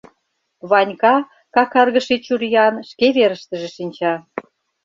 Ванька, какаргыше чуриян, шке верыштыже шинча.